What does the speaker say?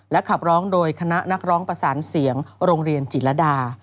ขับร้องโดยคณะนักร้องประสานเสียงโรงเรียนจิตรดา